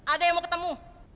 ada yang mau ketemu